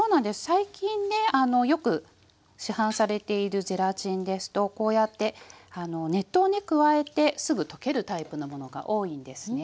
最近ねよく市販されているゼラチンですとこうやって熱湯をね加えてすぐ溶けるタイプのものが多いんですね。